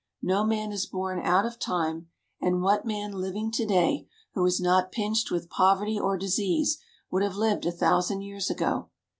No man is born out of time; and what man living to day, who is not pinched with poverty or disease, would have lived a thousand years ago?